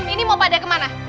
ini mau pada kemana